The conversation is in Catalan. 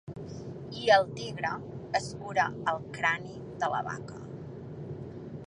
I el tigre escura el crani de la vaca.